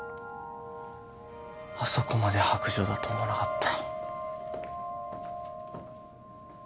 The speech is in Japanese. あそこまで薄情だと思わなかった。